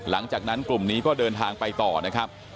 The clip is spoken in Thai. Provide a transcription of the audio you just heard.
หลังจากนั้นกลุ่มนี้ก็เดินทางไปต่อนะครับ